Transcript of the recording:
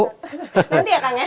nanti ya kang ya